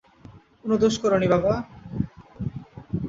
কোনো দোষ কর নি বাবা।